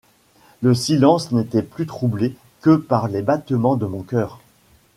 Le silence n’était plus troublé que par les battements de mon cœur.